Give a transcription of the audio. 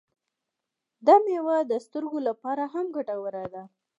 دا میوه د سترګو لپاره هم ګټوره ده.